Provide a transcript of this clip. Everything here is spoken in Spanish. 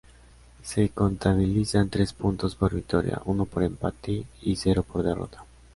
Se contabilizan tres puntos por victoria, uno por empate y cero por derrota.